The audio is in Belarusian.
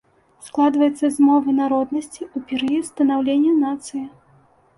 Складваецца з мовы народнасці ў перыяд станаўлення нацыі.